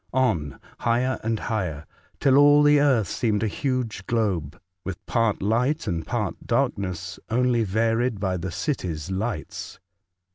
On, higher and higher, till all the earth seemed a huge globe, with part light and part dark ness, only varied by the cities' lights.